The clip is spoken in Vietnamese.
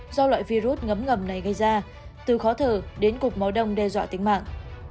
do loại virus ngấm ngầm này gây ra từ khó thở đến cục máu đông đe dọa tính mạng